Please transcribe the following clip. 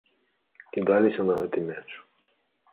Кідаліся на гэты мяч.